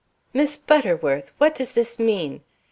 "Miss Butterworth! What does this mean?